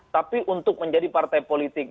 tapi untuk menjadi partai politik